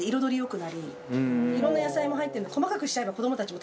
いろんな野菜も入っているので。